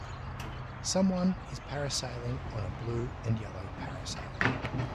Someone is parasailing on a blue and yellow parasail.